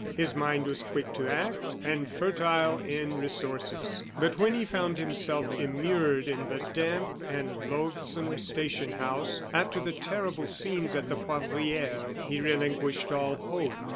His mind was quick to act, and fertile in resources. But when he found himself immured in the damp and loathsome station house, after the terrible scenes at the Poivriere, he relinquished all hope.